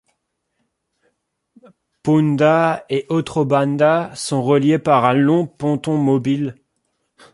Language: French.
Punda et Otrobanda sont reliés par un long ponton mobile.